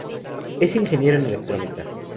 Es ingeniero en electrónica.